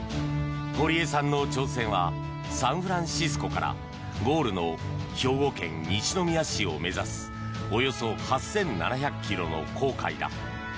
堀江さんの挑戦はサンフランシスコからゴールの兵庫県西宮市を目指すおよそ８７００ｋｍの航海だ。